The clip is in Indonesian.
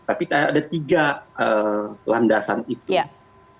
tapi ada tiga landasan itu